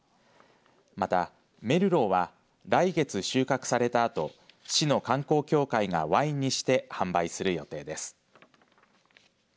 また、メルローは来月収穫されたあと市の観光協会がワインにして販売する予定です。